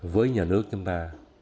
với nhà nước chúng ta